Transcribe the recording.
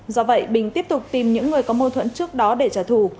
do vậy bình tiếp tục tìm những người có mâu thuẫn trước đó để trả thù